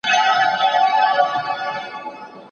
تاسي کله د پښتو د ودې لپاره ویب پاڼه جوړه کړه؟